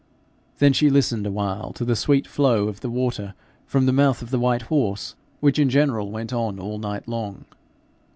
Then she listened a while to the sweet flow of the water from the mouth of the white horse, which in general went on all night long.